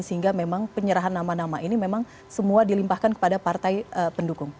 sehingga memang penyerahan nama nama ini memang semua dilimpahkan kepada partai pendukung